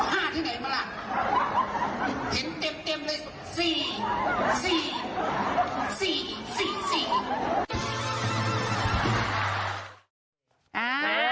เห็นเต็มเลย